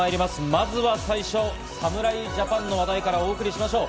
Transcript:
まずは最初、侍ジャパンの話題からお送りしましょう。